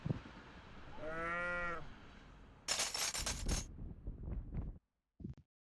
bang'e to nokona gi owetena ni notemo ma oumo adiera